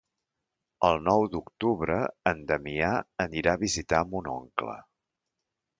El nou d'octubre en Damià anirà a visitar mon oncle.